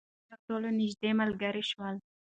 هغوی تر ټولو نژدې ملګري شول.